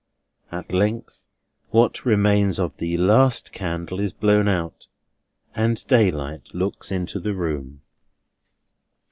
At length what remains of the last candle is blown out, and daylight looks into the room.